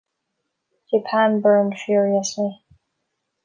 Japan burned furiously.